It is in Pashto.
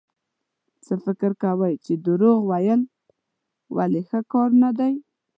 څه فکر کوئ چې دروغ ويل ولې ښه کار نه دی؟